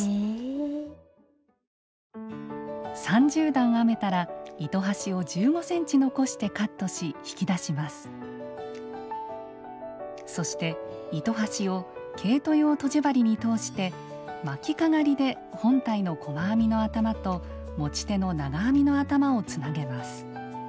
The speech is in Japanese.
３０段編めたらそして糸端を毛糸用とじ針に通して巻きかがりで本体の細編みの頭と持ち手の長編みの頭をつなげます。